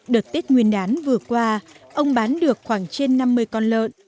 đợt tết nguyên đán vừa qua ông bán được khoảng trên năm mươi con lợn